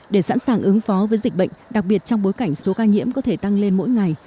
để sẵn sàng ứng phó với dịch bệnh đặc biệt trong bối cảnh số ca nhiễm có thể tăng lên mỗi ngày